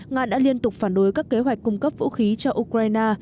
nga đã liên tục phản đối các kế hoạch cung cấp vũ khí cho ukraine